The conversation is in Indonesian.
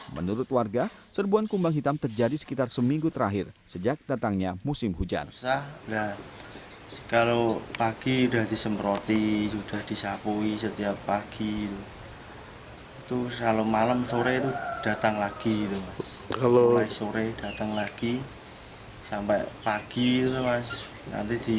menurut warga serbuan kumbang hitam terjadi sekitar seminggu terakhir sejak datangnya musim hujan